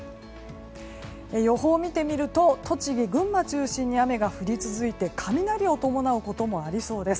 予報を見てみると栃木、群馬を中心に雨が降り続いて雷を伴うこともありそうです。